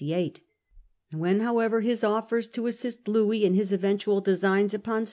When how ever his offers to assist Louis in his eventual designs upon 1672.